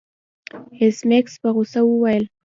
ایس میکس په غوسه وویل